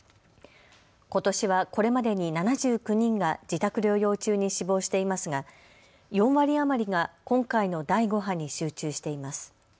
ことしはこれまでに７９人が自宅療養中に死亡していますが４割余りが今回の第５波に集中しています。